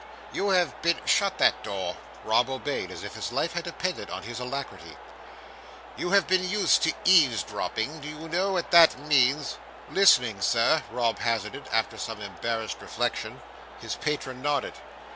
"You have been—shut that door." Rob obeyed as if his life had depended on his alacrity. "You have been used to eaves dropping. Do you know what that means?" "Listening, Sir?" Rob hazarded, after some embarrassed reflection. His patron nodded.